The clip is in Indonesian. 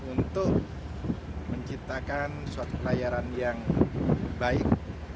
untuk menciptakan suatu pelayaran yang baik